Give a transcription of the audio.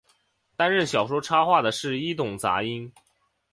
担任小说插画的是伊东杂音。